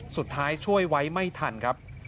สุดท้ายช่วยไว้ไม่ทันครับ